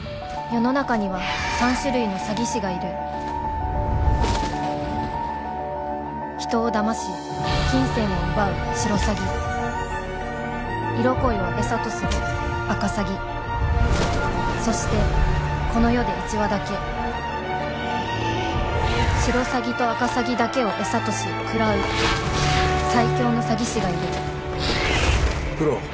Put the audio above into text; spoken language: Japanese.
世の中には三種類の詐欺師がいる人をだまし金銭を奪うシロサギ色恋を餌とするアカサギそしてこの世で一羽だけシロサギとアカサギだけを餌とし喰らう最凶の詐欺師がいるクロ